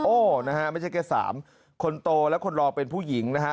นะฮะไม่ใช่แค่๓คนโตและคนรอเป็นผู้หญิงนะฮะ